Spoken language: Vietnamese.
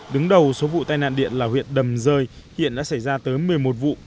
đứng đầu số vụ tai nạn điện là huyện đầm rơi hiện đã xảy ra tới một mươi một vụ